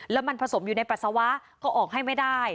แล้วมันผสมอยู่ในปัสสาวะก็ออกให้ไม่ได้